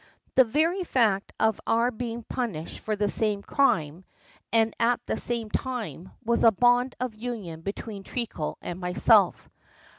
The very fact of our being punished for the same crime, and at the same time, was a bond of union between Treacle and myself.